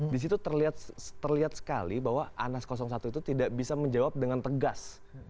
di situ terlihat sekali bahwa anas satu itu tidak bisa menjawab dengan tegas